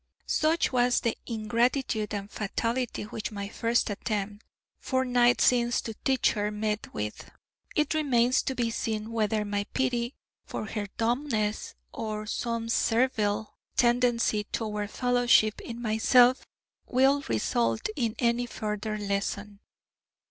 Such was the ingratitude and fatality which my first attempt, four nights since, to teach her met with. It remains to be seen whether my pity for her dumbness, or some servile tendency toward fellowship in myself, will result in any further lesson.